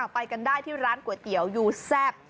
ไปกันได้ที่ร้านก๋วยเตี๋ยวยูแซ่บ